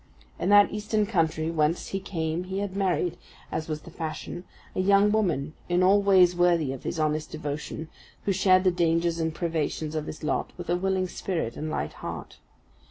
In that eastern country whence he came he had married, as was the fashion, a young woman in all ways worthy of his honest devotion, who shared the dangers and privations of his lot with a willing spirit and light heart.